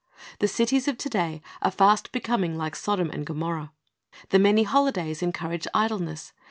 The cities of to day are fast becoming like Sodom and Gomorrah. The many holidays encourage idleness.